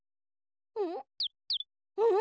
うん？